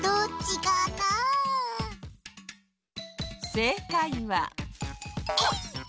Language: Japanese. せいかいはえい！